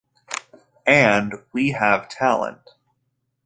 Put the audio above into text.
And we have talent.